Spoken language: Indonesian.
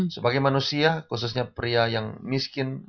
sebagai manusia khususnya pria yang miskin